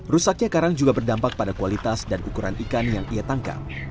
rusaknya karang juga berdampak pada kualitas dan ukuran ikan yang ia tangkap